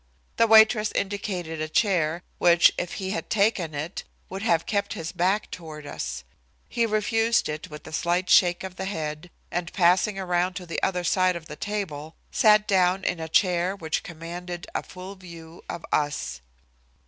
The waitress indicated a chair, which, if he had taken it, would have kept his back toward us. He refused it with a slight shake of the head, and passing around to the other side of the table, sat down in a chair which commanded a full view of us.